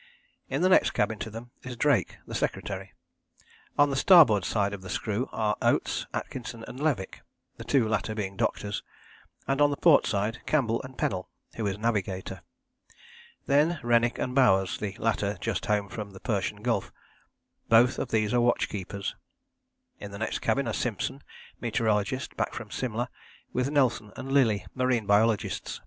In the next cabin to them is Drake, the secretary. On the starboard side of the screw are Oates, Atkinson and Levick, the two latter being doctors, and on the port side Campbell and Pennell, who is navigator. Then Rennick and Bowers, the latter just home from the Persian Gulf both of these are watchkeepers. In the next cabin are Simpson, meteorologist, back from Simla, with Nelson and Lillie, marine biologists.